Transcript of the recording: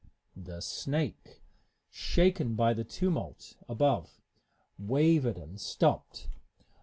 The snake, shaken by the tumult above, wavered and stopped.